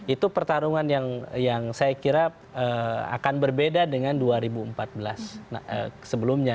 itu pertarungan yang saya kira akan berbeda dengan dua ribu empat belas sebelumnya